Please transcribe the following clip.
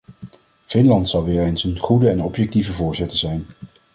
Finland zal weer eens een goede en objectieve voorzitter zijn.